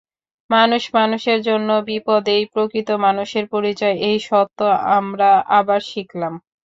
মানুষ মানুষের জন্য, বিপদেই প্রকৃত মানুষের পরিচয়—এই সত্য আমরা আবার শিখলাম।